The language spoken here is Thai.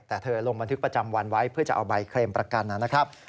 แต่เธอลงบันทึกประจำวันไว้เพื่อจะเอาใบเคลมประกันนะครับ